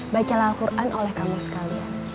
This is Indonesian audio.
baca al quran oleh kamu sekalian